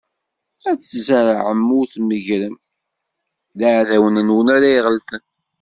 Ad tzerrɛem ur tmeggrem: D iɛdawen-nwen ara iɣelten.